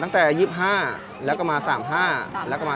ตั้งแต่๒๕แล้วก็มา๓๕แล้วก็มา